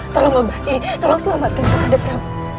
tolong membati tolong selamatkan kakaknya